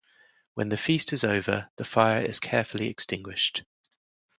When the feast is over, the fire is carefully extinguished.